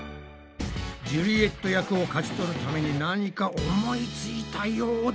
ジュリエット役を勝ち取るために何か思いついたようだ。